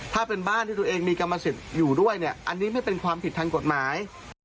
ถ้าเป็นบ้านที่ตัวเองมีกรรมสิทธิ์อยู่ด้วยเนี่ยอันนี้ไม่เป็นความผิดทางกฎหมาย